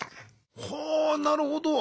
ほうなるほど。